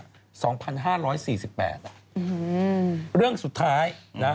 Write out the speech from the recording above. ๒๕๔๘ละเรื่องสุดท้าย